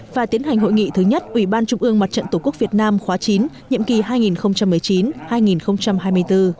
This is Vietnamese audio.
và tiến hành hội nghị thứ nhất ủy ban trung ương mặt trận tổ quốc việt nam khóa chín nhiệm kỳ hai nghìn một mươi chín hai nghìn hai mươi bốn